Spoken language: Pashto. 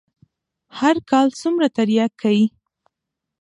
هر کال څومره ترياک کيي.